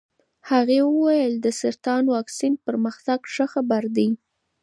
هغې وویل د سرطان واکسین پرمختګ ښه خبر دی.